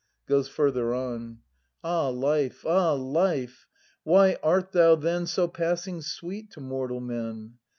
[Goes further on.] Ah life ! ah life ! Why art thou then So passing sweet to mortal men